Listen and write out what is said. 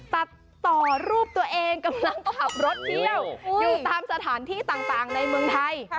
ตัดต่อรูปตัวเองกำลังขับรถเที่ยวอยู่ตามสถานที่ต่างในเมืองไทย